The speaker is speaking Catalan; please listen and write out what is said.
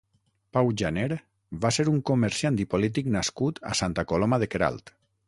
Pau Janer va ser un comerciant i polític nascut a Santa Coloma de Queralt.